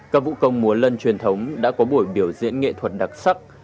các vũ công múa lân truyền thống đã có buổi biểu diễn nghệ thuật đặc sắc